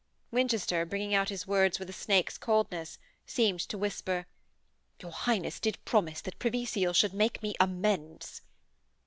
Winchester, bringing out his words with a snake's coldness, seemed to whisper: 'Your Highness did promise that Privy Seal should make me amends.'